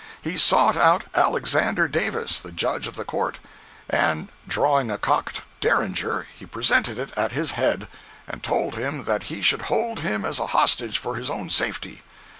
He sought out Alexander Davis, the Judge of the Court, and drawing a cocked Derringer, he presented it at his head, and told him that he should hold him as a hostage for his own safety.